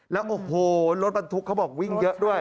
แล้วโอ้โหรถบรรทุกเขาบอกวิ่งเยอะด้วย